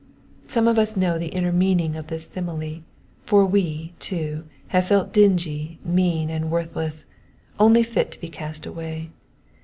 Some of us know the inner meaning of this simile, for we, too, have felt dingy, mean, and worthless, only fit to be cast away.